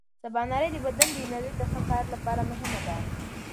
سباناري د بدن د انرژۍ د ښه کار لپاره مهمه ده.